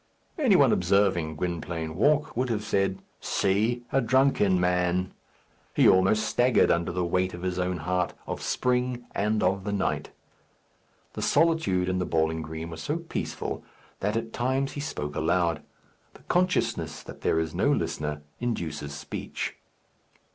Any one observing Gwynplaine walk would have said, "See! a drunken man!" He almost staggered under the weight of his own heart, of spring, and of the night. The solitude in the bowling green was so peaceful that at times he spoke aloud. The consciousness that there is no listener induces speech.